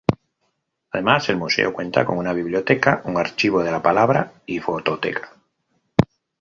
Además, el museo cuenta con una Biblioteca, un Archivo de la Palabra y Fototeca.